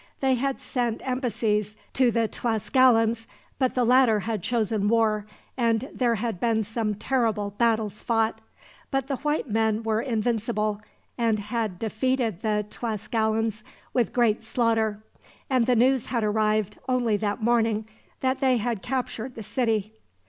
They had sent embassies to the Tlascalans, but the latter had chosen war, and there had been some terrible battles fought. But the white men were invincible, and had defeated the Tlascalans with great slaughter; and the news had arrived, only that morning, that they had captured the city.